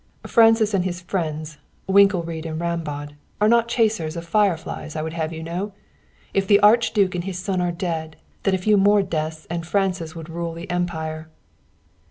Francis and his friends, Winkelried and Rambaud, are not chasers of fireflies, I would have you know. If the Archduke and his son are dead, then a few more deaths and Francis would rule the Empire."